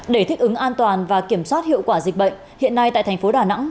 để thích ứng an toàn và kiểm soát hiệu quả dịch bệnh hiện nay tại thành phố đà nẵng